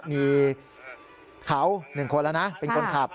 มีเขา๑คนแล้วนะเป็นคนขับ